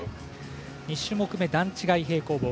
２種目め、段違い平行棒。